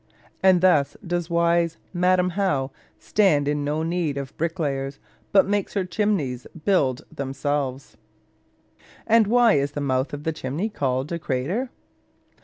And thus does wise Madam How stand in no need of bricklayers, but makes her chimneys build themselves. And why is the mouth of the chimney called a crater?